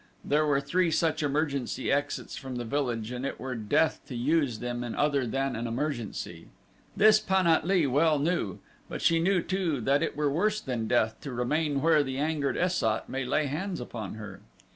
There were three such emergency exits from the village and it were death to use them in other than an emergency. This Pan at lee well knew; but she knew, too, that it were worse than death to remain where the angered Es sat might lay hands upon her.